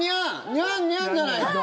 ニャン、ニャンじゃないか。